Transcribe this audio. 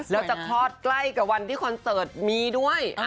แล้วจะคลอดใกล้กับวันที่คอนเสิร์ตมีด้วย